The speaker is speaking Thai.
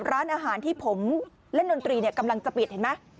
ร้านอาหารที่ผมเล่นดนตรีกำลังจะปิดเห็นไหม